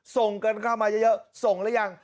ส่งกันเข้ามาเยอะส่งหรือยัง